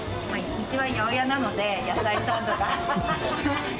うちは八百屋なので、野菜サンドが！